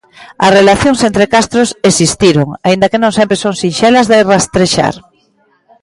As relacións entre castros existiron, aínda que non sempre son sinxelas de rastrexar.